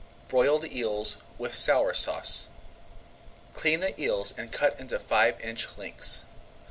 BROILED EELS WITH SOUR SAUCE Clean the eels and cut into five inch lengths.